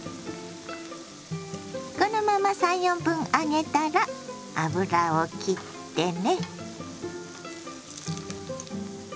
このまま３４分揚げたら油をきってね。